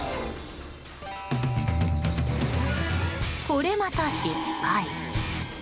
これまた失敗。